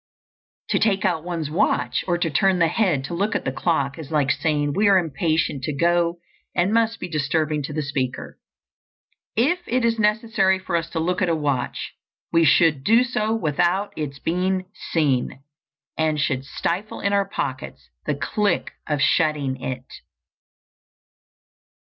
To take out one's watch or to turn the head to look at the clock is like saying we are impatient to go, and must be disturbing to the speaker. If it is necessary for us to look at a watch, we should do so without its being seen, and should stifle in our pockets the click of shutting it.